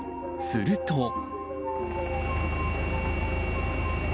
すると。